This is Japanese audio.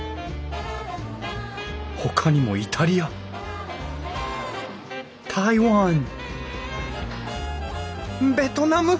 ほかにもイタリア台湾ベトナム！